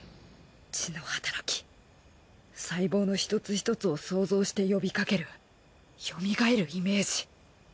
血の働き細胞の１つ１つを想像して呼びかけるよみがえるイメージ。